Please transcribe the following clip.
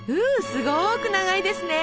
すごく長いですね！